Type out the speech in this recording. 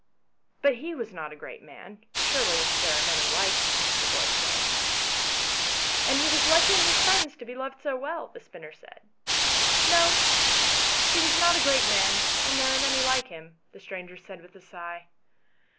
" But he was not a great man ; there are surely many like him ?" the boy said. " And he was lucky in his friends to be loved so well," the spinner said. " No, he was not a great man, and there are many like him," the stranger said with a sigh.